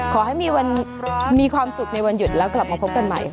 ขอให้มีความสุขในวันหยุดแล้วกลับมาพบกันใหม่